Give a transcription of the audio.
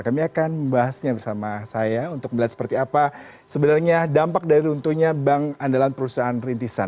kami akan membahasnya bersama saya untuk melihat seperti apa sebenarnya dampak dari runtuhnya bank andalan perusahaan rintisan